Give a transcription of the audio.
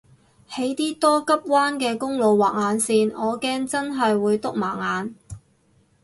喺啲多急彎嘅公路畫眼線我驚真係會篤盲眼